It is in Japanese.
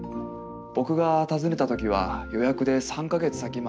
僕が訪ねた時は予約で３か月先まで埋まってたな。